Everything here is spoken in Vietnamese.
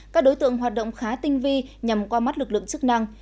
các đối tượng hoạt động khá tinh vi nhằm qua mắt lực lượng chức năng